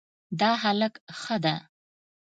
دا هلک ښه ده